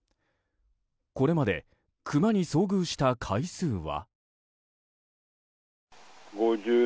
これまでクマに遭遇した回数は？